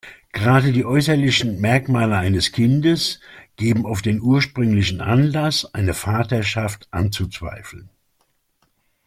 Gerade die äußerlichen Merkmale eines Kindes geben oft den ursprünglichen Anlass, eine Vaterschaft anzuzweifeln.